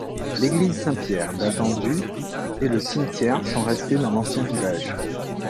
L'église Saint-Pierre datant du et le cimetière sont restés dans l'ancien village.